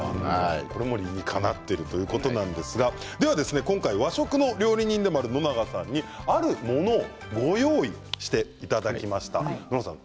これも理にかなっているということなんですが、では今回は和食の料理にでもある野永さんにあるものをご用意していただきました。